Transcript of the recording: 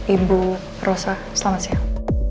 ibu rosa selamat siang